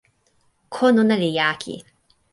kon ona li jaki.